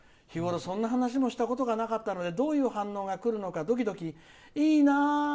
日ごろそんな話もしたことがなかったのでどういう反応がくるのかドキドキ。